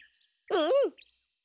うん。